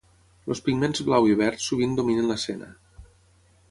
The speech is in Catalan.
Els pigments blau i verd sovint dominen l'escena.